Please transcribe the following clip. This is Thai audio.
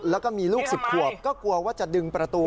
แล้วก็มีลูก๑๐ขวบก็กลัวว่าจะดึงประตู